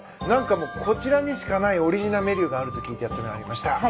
何かこちらにしかないオリジナルメニューがあると聞いてやって参りました。